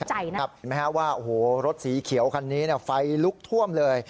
ใจนะครับแม้ว่ารถสีเขียวคันนี้ไฟลุกท่วมเลย